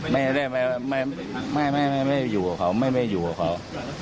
ไม่ได้ไม่อยู่กับเขาไม่ได้อยู่กับเขา